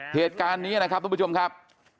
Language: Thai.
เหตุการณ์นี้นะครับทุกผู้ชมครับ